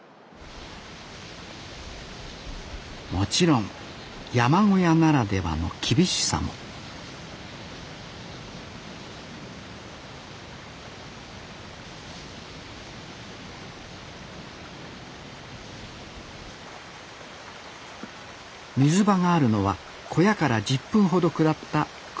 もちろん山小屋ならではの厳しさも水場があるのは小屋から１０分ほど下った崩れそうな斜面。